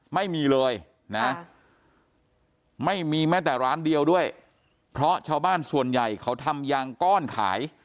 ไม่มีเลยนะไม่มีแม้แต่ร้านเดียวด้วยเพราะชาวบ้านส่วนใหญ่เขาทำยางก้อนขาย